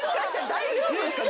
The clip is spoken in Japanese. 大丈夫ですか？